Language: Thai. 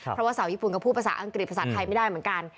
เพราะว่าสาวเช้าญี่ปุ่นก็พูดภาษอังกฤษภาษาไทยแบบนี้รึเปล่า